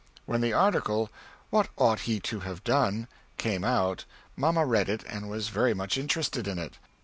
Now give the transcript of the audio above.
When the article "What ought he to have done?" came out Mamma read it, and was very much interested in it.